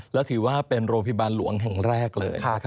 แล้วถือว่าเป็นโรงพยาบาลหลวงแห่งแรกเลย